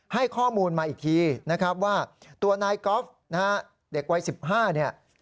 ให้ข้อมูลมาอีกทีนะครับว่าตัวนายกอล์ฟนะฮะเด็กวัย๑๕เนี่ย